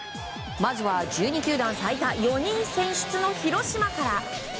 まずは１２球団最多４人選出の広島から。